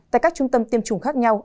tại các trung tâm tiêm chủng khác nhau